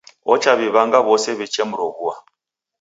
Ochaw'iw'anga w'ose w'ichemroghua.